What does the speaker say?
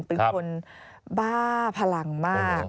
เป็นคนบ้าพลังมาก